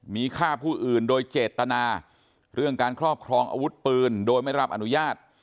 มีฆ่าผู้อื่นโดยเจตนาเรื่องการครอบครองอาวุธปืนโดยไม่รับอนุญาต